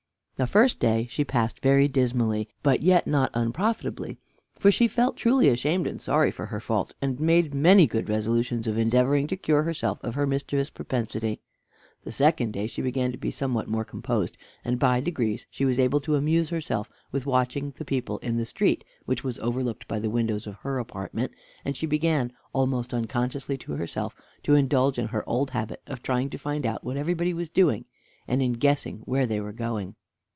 The first day she passed very dismally, but yet not unprofitably, for she felt truly ashamed and sorry for her fault, and made many good resolutions of endeavoring to cure herself of her mischievous propensity. The second day she began to be somewhat more composed, and by degrees she was able to amuse herself with watching the people in the street, which was overlooked by the windows of her apartment, and she began, almost unconsciously to herself, to indulge in her old habit of trying to find out what everybody was doing, and in guessing where they were going.